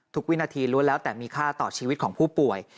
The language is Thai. วินาทีล้วนแล้วแต่มีค่าต่อชีวิตของผู้ป่วย